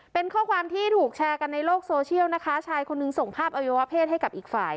เป็นข้อความที่ถูกแชร์กันในโลกโซเชียลนะคะชายคนหนึ่งส่งภาพอวัยวะเพศให้กับอีกฝ่าย